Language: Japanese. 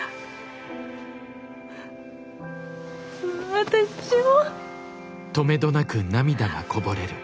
私も。